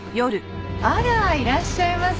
あらいらっしゃいませ。